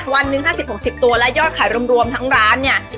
วันหนึ่ง๕๐๖๐ตัวและยอดขายรวมทั้งร้านเนี่ย